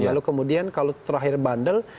lalu kemudian kalau terakhir bandel